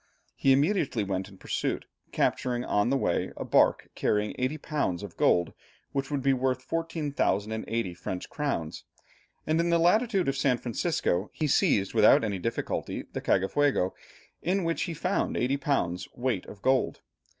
He immediately went in pursuit, capturing on the way a bark carrying 80 lbs. of gold, which would be worth 14,080 French crowns, and in the latitude of San Francisco he seized without any difficulty the Cagafuego, in which he found 80 lbs. weight of gold.